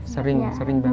sering sering banget